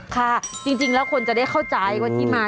ค่ะจริงแล้วคนจะได้เข้าใจว่าที่มา